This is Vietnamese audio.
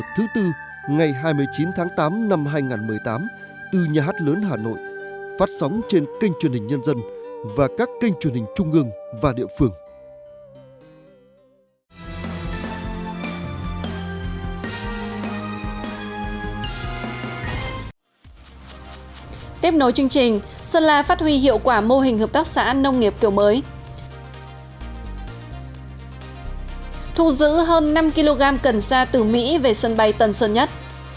thu giữ hơn năm kg cần sa từ mỹ về sân bay tân sơn nhất